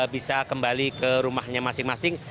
bisa kembali ke rumahnya masing masing